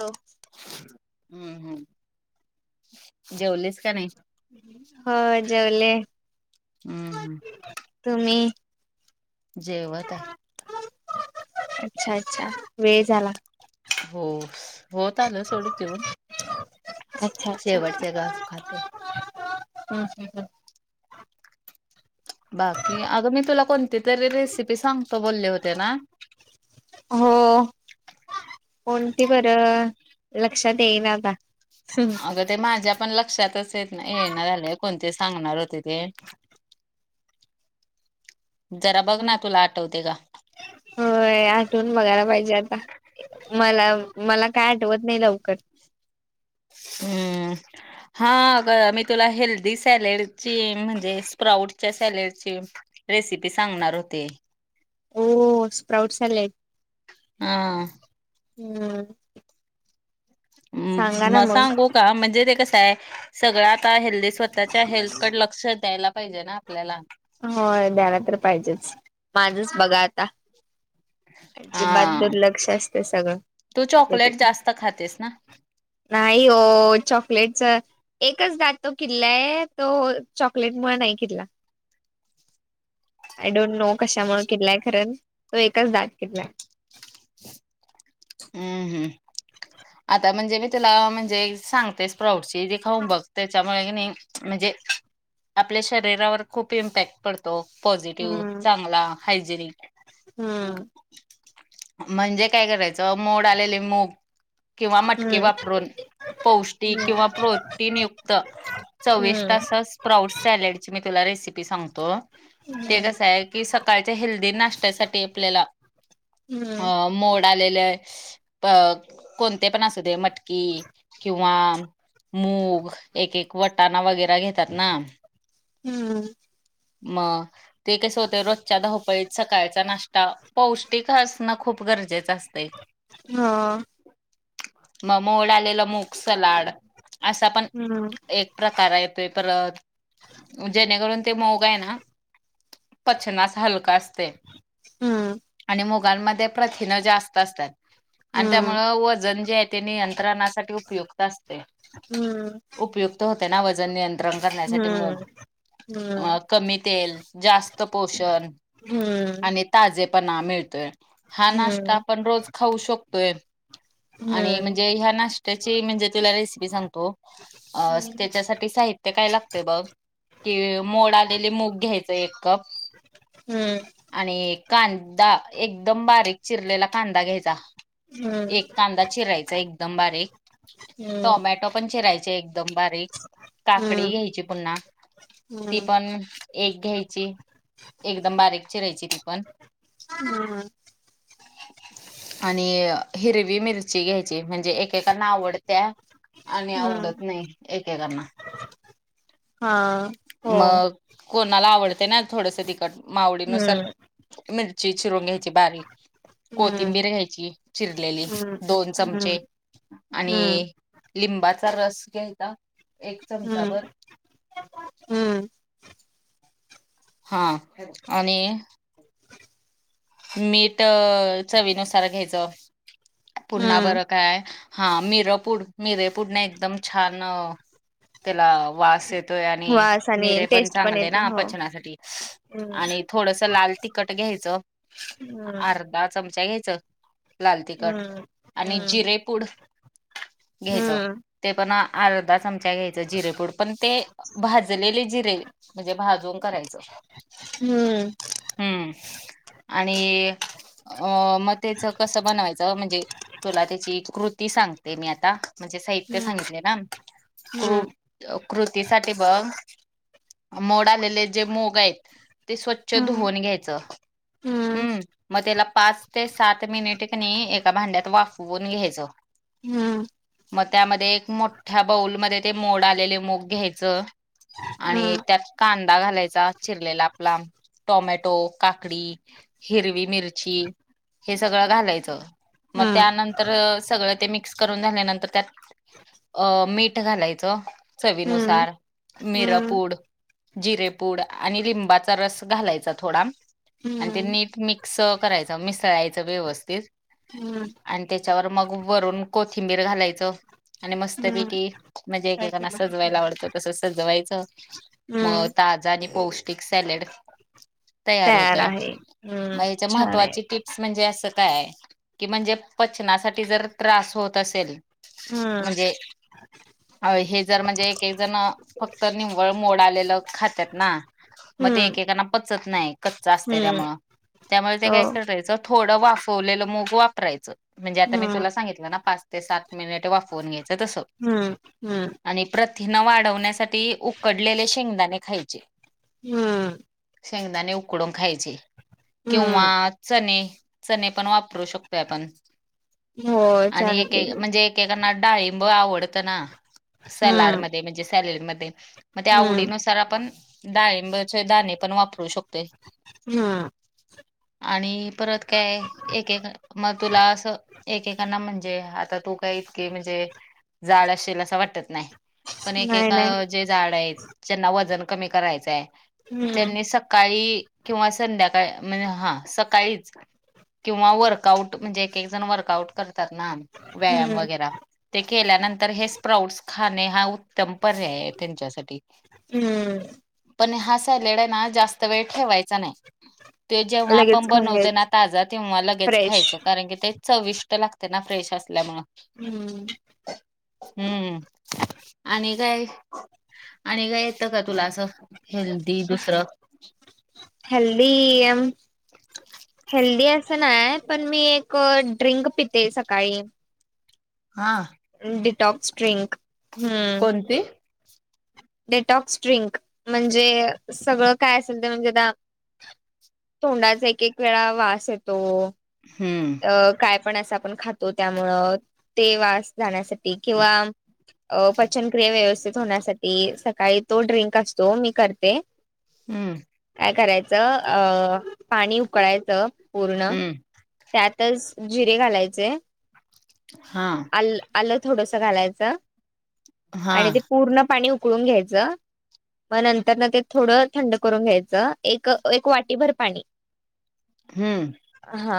हो. हम्म हम्म, जेवलीस का नाही? हम्म. हो जेवले.? हम्म हम्. तुम्ही? जेवत आहे. अच्छा अच्छा, वेळ झाला. हो.? होत आल सोड जेऊन, अच्छा अच्छा. शेवटच्या घास खातेय. हम्म हम्म. बाकी, अग मी तुला कोणती तरी रेसिपी सांगतो बोलले होते ना, हो, कोणती बरं, लक्षात येईन आता. अगं ते माझ्या पण लक्षातच येत नाही हे ना झालय, कोणती सांगणार होते ते. जरा बघ ना, तुला आठवते का? होय, आठवून बघायला पाहिजे आता. मला, मला काय आठवत नाही लवकर. हम्म.? हा, अगं मी तुला हेल्दी सॅलेडची, म्हणजे स्प्राउटच्या सॅलेडची, रेसिपी सांगणार होते.? हो, स्प्राऊट सॅलेड. हां.? हम्म. सांगा हम्म, ना मग सांगू का म्हणजे ते कसं आहे, सगळं आता हेल्दी, स्वतःच्या हेल्थकडे लक्ष द्यायला पाहिजे ना आपल्याला. होय, द्यायला तर पाहिजेच, माझंच बघा आता.? जिमात हा दुर्लक्ष असतं सगळं, तू चॉकलेट तब्येतीकडे. जास्त खातेस ना नाही ओ, चॉकलेट चऽ एकच दा तो किल्लाय, तो चॉकलेट मुळं नाही किल्ला. आय डोंट नो कशामुळे केलाय, खरं तो एकच दाट केलाय. हम्म हम्, आता म्हणजे मी तुला म्हणजे सांगते, स्प्रउटसऽ ते जे खाऊन बघ त्याच्यामुळे नाही, म्हणजे आपल्या शरीरावर खूप इम्पॅक्टऽ पडतो, पॉझिटिव्ह, हम्म चांगला, हायजेनिक. हम्म म्हणजे काय करायचं, मोड आलेले मूगऽ किंवा मटकी हम्म वापरून पौष्टिक, किंवा प्रोटीन युक्त, चवीष्ट आस स्प्राउट सॅलेड ची, मी तुला रेसिपी सांगतो. ते कसं आहे की, सकाळच्या हेल्दी नाश्त्यासाठी आपल्याला, अ हम्म हम्म मोड आलेलंऽ अ कोणते पण असू दे, मटकी किंवा मूग, एक एक वटाणा वगैरे घेतात ना? हम्म? म ते कसे होते रोजच्या धावपळीत सकाळचा नाश्ता, पौष्टिक हसणं खूप गरजेचं असतंय? हं.. मग मोड आलेलं मूग सलाड, असा पण हम्म एक. प्रकार येतो परत जेणेकरून ते मोग आहे ना [unintelligible] पचनास हलका असतय, हम्म आणि मोग प्रथनत असतात आणि त्यामुळे वजन जे आहे निंत्रणा [unintelligible] उपायुक्त असते? हम्म उपयुक्त होते ना वजण. रंग करण्यासाठी मग हम्म हम्म म कमी तेल, जास्त पोषण, हम्म हम्म आणि ताजेपणा मिळतोय? हा नाश्ता आपण रोज खाऊ शकतोय? आणि हम्म म्हणजे ह्या नाश्त्याची म्हणजे तुला रेसिपी सांगतो. त्याच्यासाठी साहित्य काय लागतय बघ, कि मोड मूग घ्यायचं एक कप हम्म, आणि, कांदा एकदम बारीक चिरलेला कांदा घ्यायचा? एक कांदा चिरायचा एकदम बारीक, टोमॅटो पण चिरायचा एक एकदम बारीक काकडी घ्यायची पुन्हा, ती हम्म हम्म पण एक घ्यायची, एकदम बारीक चिरायची. ती पण हम? आणि हिरवी मिरची घ्यायची म्हणजे? एकेकांना आवडत्या आणि हम्म आवडत नाही एकेकांना हं? मग, कोणाला आवडते ना थोडंस तिखट मग आवडीनुसार हम्म मिरची चिरून घ्या बारीक हम्म कोथिंबीर घ्यायची चिरलेली हम्म दोन हम्म चमचे हम्म आणि.. लिंबाचा रस घ्यायचा एक चमचा हम्म भर हम्म हा आणि, मीठ चवीनुसार घ्यायचं? पुन्हा हम्म बरं काय, हा मिरपुड मिरपूड नाही एकदम छान त्याला वास येतोय आणि वास आणि मिरे पण टेस्ट चांगले येते ना हो पचनासाठी. हम्म आणि थोडस लाल तिखट घ्यायचं? हम, [unintelligible] चमचा घ्यायच लाल तिखट हम्म आणि हम्म जिरेपूड घ्यायचं ते पण अर्धा चमचा घ्यायचा जिरेपूड पण ते भाजलेले जिरे, म्हणजे भाजून करायचं.? हम्म. हम्म. आणि अ, म त्याच कस बनवायचं म्हणजे तुला त्याची कृती सांगते. मी आता म्हणजे साहित्य सांगितले ना? हम्म क्रू कृतीसाठीठी बघ मोड, आलेले जे मोग आहेत? ते स्वच्छ हम्म धुवन घ्यायचं? हम्म, मग त्याला पाच ते सात मिनिटनी एका भांड्यात वाफवून घ्यायचं. हम्. मग त्यामध्ये एक मोठ्या बाऊलमध्येध्ये ते मोड आलेले मूग घ्यायचं. आणि हम्म त्यात कां दा घालायचा. चिरलेला आपला. टोमॅटो, काकडी मिरची हे सगळं घालायच. म हम्म त्यानंतर सगळं ते मिक्स करून झाल्यानंतर, त्यात अ मीठ घालायचं हम्म चवीनुसार. हम्म हम्म मिरपूड जिरेपूड. आणि लिंबाचा घालायचा थोडा. आणि ते हम्म हम्म नीट मिक्स करायचं. मिसळायचं व्यवस्थित. हम्म. आणि त्याच्यावर मग वरून कोथिंबीर घालायचं. आणि हम्म मस्तपैकी म्हणजे काय एकेकांना केलं सजवायला आवडतं तस सजवायचं. मग हम्म ताजा आणि पौष्टिक सॅलेड तयार आहे. म हम्म याच्या छान आहे महत्त्वाची टिप्स म्हणजे असं काय? की म्हणजे पचनासाठी जर त्रास होत असेल. हम्म म्हणजे हे जर म्हणजे एक एक जण फक्त निव्वळ मोड आलेल खातात ना. मग ते एक हम्म एकांना पचत नाय. कच्च अ हम्म त्याच्यामुळ. त्यामुळे ते हो काय करायचं. थोडं वाफवलेलं मुग वापरायचं. म्हणजे आता मी हम्म तुला सांगितलं ना पाच ते सात मिनिट वाफरवून घ्यायचं तसं. हम्म हम्म. आणि प्रथिन वाढवण्यासाठी उकडलेले शेंगदाणे खायचे. हम्म. शेंगदाणे उकडून खायचे. किंवा हम्म चणे चणे पण वापरू शकतोय आपण. होय चालते की. एक एकाना डाळिंब आवडतं ना. सलाड हम्म म म्हणजे सलेड मध्ये. मग ते हम्म आवडीनुसार आपण डाळिंबचे दाणे पण वापरू शकतोय. ह. आणि परत काय एक एक मग तुला असं एकेकांना म्हणजे, आता तू काय इतके म्हणजे जाड असेल असं वाटत नाय. पण एकेएक नाही नाही जे जाड आहेत. ज्यांना वजन कमी करायचंय. हम्म त्यांनी सकाळी किंवा संध्याकाळ म्हण हा सकाळीच. किंवा वर्कआउट. म्हणजे एक एक जण वर्कआउट करतात ना. व्यायाम हम्म वगैरा. ते केल्यानंतर हे स्प्राउट्स खाणे हा उ उत्तम पर्याये त्यांच्यासाठी. हम्म पण हा सालेडेना जास्त वेळ ठेवायचा नाही. ते जेव्हा आपण लगेच खाऊन बनवते ना घ्यायच ताजा. तेव्हा लगेच फ्रेश खायचं. कारण की ते चविष्ट लागते ना फ्रेश असल्यामुळ. हम्म. हम्म, आणि काय? आणि काय येतं का तुला असं? हेल्दी दुसरं? हल्दी अम हेल्दी असं नाय. पण मी एक ड्रिंक पिते सकाळी. हा. Detox drink. हम्म. कोणती? Detox drink. म्हणजे सगळं काय असेल ते. म्हणजे आता तोंडाचा एक एक वेळा वास येतो. हम्म. अ काय पण असं आपण खातो त्यामुळं ते वास जाण्यासाठी किंवा अ पचन प्रक्रिया व्यवस्थित होण्यासाठी सकाळी तो ड्रिंक असतो मी करते. हम्म. काय करायचं अ पाणी उकळायचं पूर्ण हम्म त्यातच जिरे घालायचे हा आल आलं थोडस घालायचं हा आणि ते पूर्ण पाणी उकळून घ्यायचं मग नंतरन ते थोडं थंड करून घ्यायचं. एक एक वाटीभर पाणी. हम्म. हा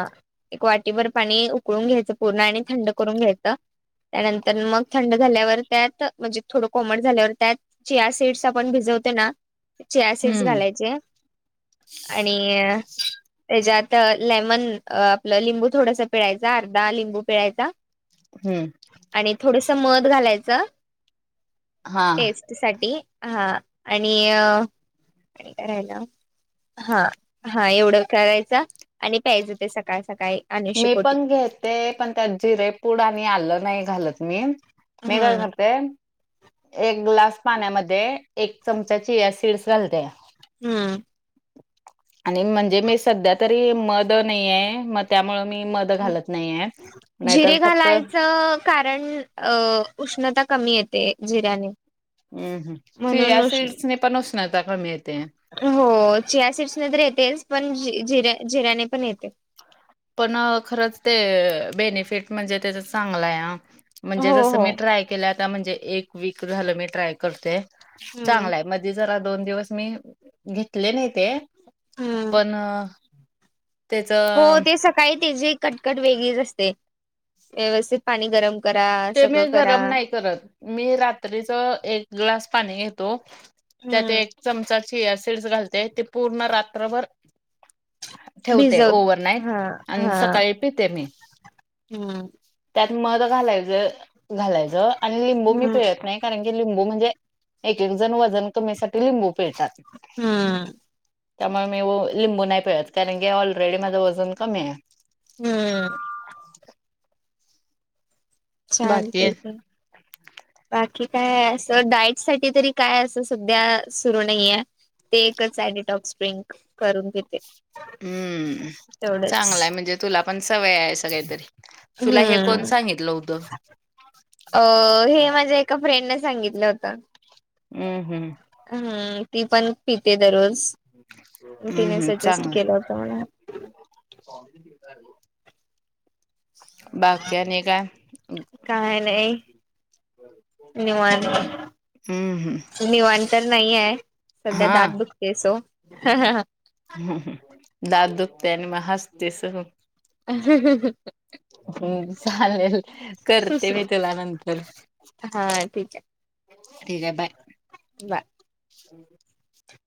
एक वाटीभर पाणी उकळून घ्यायचं पूर्ण आणि थंड करून घ्यायचं. त्यानंतर मग थंड झाल्यावर त्यात म्हणजे थोडं कोमट झाल्यावर त्यात चिया सीड्स आपण भिजवते ना चिया सीड्स हम्म घालायचे आणि त्याच्यात लेमन अ लिंबू थोडासा पिळायचा अर्ध लिंबू पिळायचा. हम्म. आणि थोडस मध घालायच हा. टेस्ट साठी हा आणि अ आणि काय राह्यला हा हा एवढं करायच आणि प्यायच ते सकाळ सकाळ सकाळी. अनुशी मी पोटी पण घेते पण त्यात जिरेपूड आणि आलं नाही घालत मी. मी काय हम्म करते न एक ग्लास पाण्यामध्ये एक चमचा जिया सिड्स घालते. हम्म. आणि म्हणजे मी सध्या तरी मद नाहीये मग त्यामुळं मी मध ध घालत नाहीय नाहीतर जिरे फक्त. घालायचं कारण अ उष्णता कमी येते जिऱ्याने. हम्म हम्म म्हणून सिया उष्ण सिड्स ने पण उष्णता कमी येतेय. हो चिया सीड्स न तर येतेच पण जिऱ्या जिऱ्याने पण येते. पण खरंच ते बेनिफिट म्हणजे तेचा चांगलाय हां. म्हणजे हो जस हो मी ट्राय केलंय म्हणजे एक वीक झालं मी ट्राय करते हम्म चांगलाय म मधी जरा दोन दिवस मी घेतले नाही ते हम्म पण त्याच हो ते सकाळी तेचीे कटकट वेगळीच असते व्यवस्थित पाणी गरम करा ते मी सगळं करा. गरम नाही करत मी रात्रीच एक ग्लास पाणी घेतो त्यात हम्म. एक चमचा चिया सिड्स घालते ते पूर्ण रात्रभर ठेवते भिजव ओव्हरनाईट हा आणि हा सकाळी पिते मी. हम्म. त्यात मध घालायचं घालायच, आणि लिंबू मी हम्म पिळत नाही कारण की लिंबू म्हणजे एक एक जण वजन कमीसाठी लिंबू पिळतात. हम्म. त्यामुळे मी ओ लिंबू नाही पिळत कारण की ऑलरेडी माझं वजन कमी आहे. हम्म. [inaudible] बाकी चालतंय की. [inaudible] बाकी काय आहे असं डाईट साठी तरी काय असं सध्या सुरू नाहीये. ते एकच सॅडीटॉप स्प्रिंंग करून घेते. हम्म, चांगलंय तेवढंच. म्हणजे तुला पण सवय आहे सगळ्या तरी. तुला हे कोण हम्म सांगितलं होतं? अ हे माझ्या एका फ्रेंडने सांगितलं होतं. हम्म हम्म. हम्म ती पण पिते दररोज, हम्म तिने हम्म सजेस्ट चांगलंय केला होत मला. [unintelligible] बाकी‌ आणि काय? काय नाही निवांत. हम्म हम्म निवांत तर नाहीये, सध्या दात हा दुखते सो. दात दुखतंय आणि मग हसतीस ह. [inaudible] हम् चालेल. करते मी तुला नंतर, हा ठीक आहे ठीक आहे बाय. बाय.